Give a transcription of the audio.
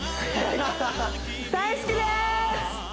大好きです！